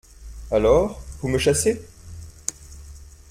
Alors, vous me chassez ?